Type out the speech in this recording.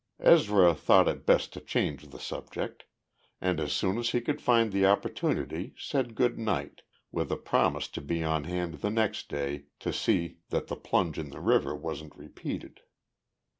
Ezra thought it best to change the subject, and as soon as he could find the opportunity said good night, with a promise to be on hand the next day to see that the plunge in the river wasn't repeated.